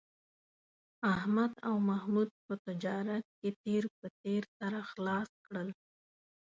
احمد او محمود په تجارت کې تېر په تېر سره خلاص کړل